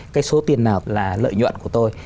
cái số tiền nào là lợi nhuận của tôi